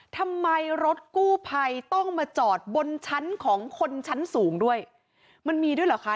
ทำไมรถกู้ภัยต้องมาจอดบนชั้นของคนชั้นสูงด้วยมันมีด้วยเหรอคะ